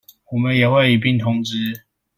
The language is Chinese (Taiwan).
我們也會一併通知